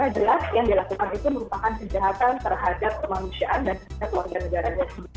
yang kedua yang dilakukan itu merupakan kejahatan terhadap kemanusiaan dan keluarga negara